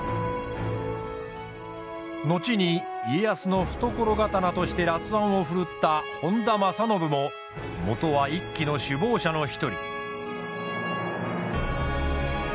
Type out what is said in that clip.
後に家康の懐刀として辣腕を振るった本多正信ももとは一揆の首謀者の一人。